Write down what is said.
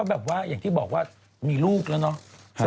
แบบว่าอย่างที่บอกว่ามีลูกแล้วเนาะ